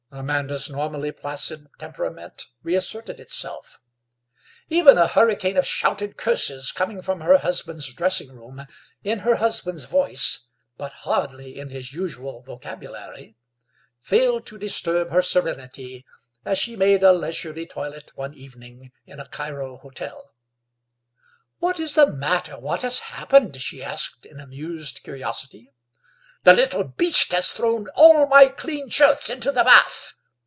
Amanda's normally placid temperament reasserted itself. Even a hurricane of shouted curses, coming from her husband's dressing room, in her husband's voice, but hardly in his usual vocabulary, failed to disturb her serenity as she made a leisurely toilet one evening in a Cairo hotel. "What is the matter? What has happened?" she asked in amused curiosity. "The little beast has thrown all my clean shirts into the bath!